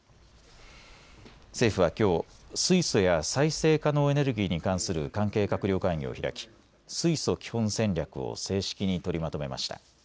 政府はきょう、水素や再生可能エネルギーに関する関係閣僚会議を開き水素基本戦略を正式に取りまとめました。